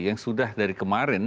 yang sudah dari kemarin